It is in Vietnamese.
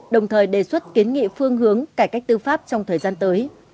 đồng thời đề xuất kiến nghị phương hướng cải cách tư pháp trong thời gian tới